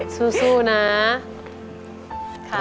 สู้นะ